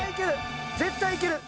絶対いける！